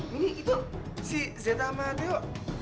mini itu si zeta sama tio